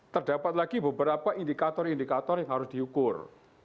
terdapat lagi beberapa indikator indikator yang harus diukur